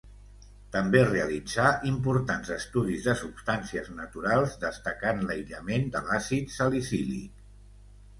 També realitzà importants estudis de substàncies naturals destacant l'aïllament de l'àcid salicílic.